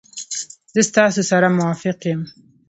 زه ستاسو سره موافق یم.